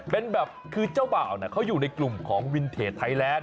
เป็นแบบคือเจ้าบ่าวเขาอยู่ในกลุ่มของวินเทจไทยแลนด